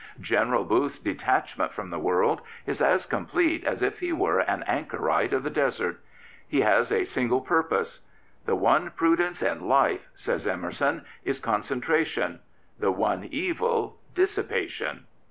General Booth's detachment from the world is as complete as if he were an anchorite of the desert. He has a single purpose. The one prudence in life," says Emerson, " is con centration; the one evil, dissipation."